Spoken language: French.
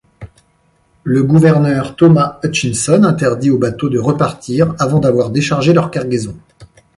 Le gouverneur Thomas Hutchinson interdit aux bateaux de repartir avant d'avoir déchargé leur cargaison.